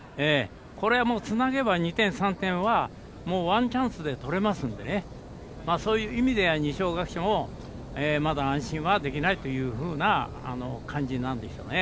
これは、つなげば２点、３点はワンチャンスでとれますのでそういう意味では二松学舍もまだ安心はできないというふうな感じなんでしょうね。